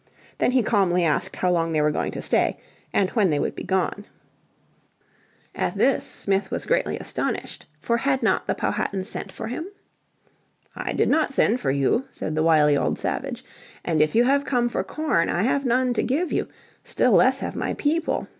Then he calmly asked how long they were going to stay, and when they would be gone. At this Smith was greatly astonished, for had not the Powhatan sent for him? "I did not send for you," said the wily old savage, "and if you have come for corn I have none to give you, still less have my people.